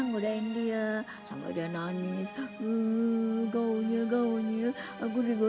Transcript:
mungkin ini hukuman untukku